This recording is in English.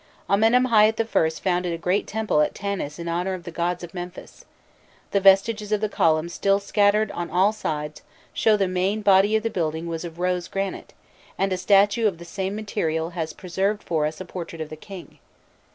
Amenemhâît I. founded a great temple at Tanis in honour of the gods of Memphis: the vestiges of the columns still scattered on all sides show that the main body of the building was of rose granite, and a statue of the same material has preserved for us a portrait of the king.